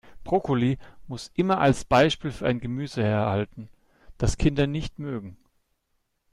Brokkoli muss immer als Beispiel für ein Gemüse herhalten, das Kinder nicht mögen.